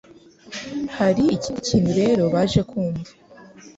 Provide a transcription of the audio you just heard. hari ikindi kintu rero baje kumva.